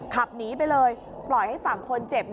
ขับหนีไปเลยปล่อยให้ฝั่งคนเจ็บ